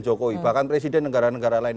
jokowi bahkan presiden negara negara lain